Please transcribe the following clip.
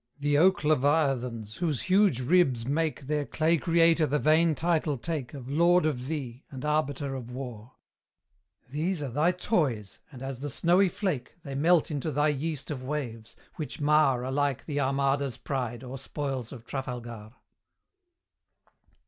The oak leviathans, whose huge ribs make Their clay creator the vain title take Of lord of thee, and arbiter of war; These are thy toys, and, as the snowy flake, They melt into thy yeast of waves, which mar Alike the Armada's pride, or spoils of Trafalgar.